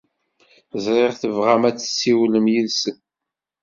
Ẓriɣ tebɣam ad tessiwlem yid-sen.